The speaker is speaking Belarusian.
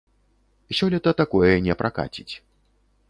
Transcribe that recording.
Сёлета такое не пракаціць.